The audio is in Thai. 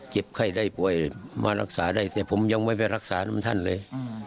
ไข้ได้ป่วยมารักษาได้แต่ผมยังไม่ไปรักษาน้ำท่านเลย